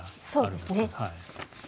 そうですね。